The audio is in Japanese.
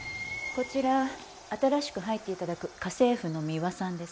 こちら新しく入って頂く家政婦のミワさんです。